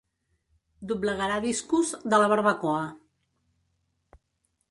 Doblegarà discos de “La Barbacoa”.